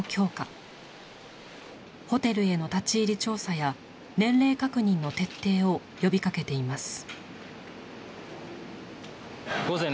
ホテルへの立ち入り調査や年齢確認の徹底を呼びかけています。